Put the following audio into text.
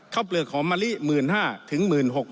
ข้าวเปลือกของมะลิ๑๕๐๐๐ถึง๑๖๖๐๐